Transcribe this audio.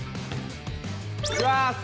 いきます！